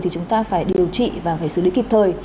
thì chúng ta phải điều trị và phải xử lý kịp thời